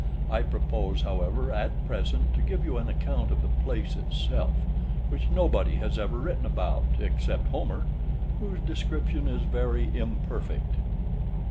I propose, however, at present, to give you an account of the place itself, which nobody has ever written about, except Homer, whose description is very imperfect.